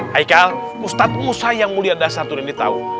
haikal ustadz musa yang mulia dasar ini tahu